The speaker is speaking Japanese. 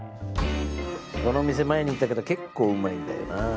この店前に行ったけど結構うまいんだよな。